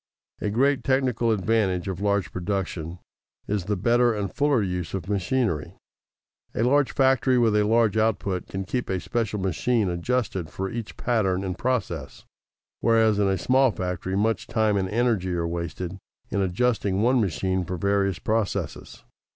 A great technical advantage of large production is the better and fuller use of machinery. A large factory with a large output can keep a special machine adjusted for each pattern and process, whereas in a small factory much time and energy are wasted in adjusting one machine for various processes.